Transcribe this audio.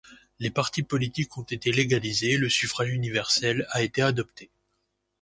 Les partis politiques ont été légalisés et le suffrage universel a été adopté.